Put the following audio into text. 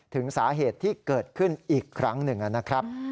ถึงสาเหตุที่เกิดขึ้นอีกครั้งหนึ่งนะครับ